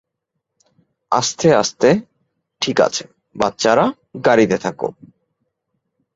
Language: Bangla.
আস্তে আস্তে ঠিক আছে, বাচ্চারা, গাড়িতে থাক।